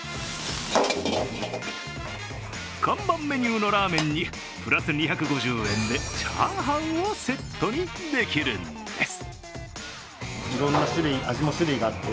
看板メニューのラーメンに、プラス２５０円でチャーハンをセットにできるんです。